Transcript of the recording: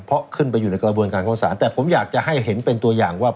เพราะขึ้นไปอยู่ในกระบวนการของศาลแต่ผมอยากจะให้เห็นเป็นตัวอย่างว่า